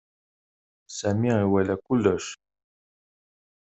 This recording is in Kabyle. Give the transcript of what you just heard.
Sami iwala kullec.